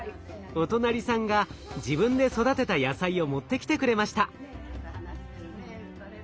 お隣さんが自分で育てた野菜を持ってきてくれました。